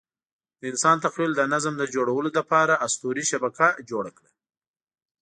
د انسان تخیل د نظم د جوړولو لپاره اسطوري شبکه جوړه کړه.